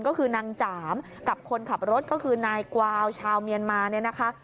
ก็คือนางจามกับคนขับรถก็คือนายกวาวชาวเมียนมาเนี่ยนะคะ